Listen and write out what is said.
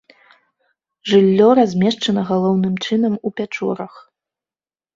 Жыллё размешчана галоўным чынам у пячорах.